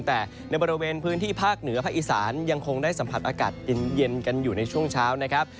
แต่ในบริเวณพื้นที่ภาคเหนือภาคอีสานยังคงได้สัมผัสอากาศเย็นกันอยู่ในช่วงเช้านะครับ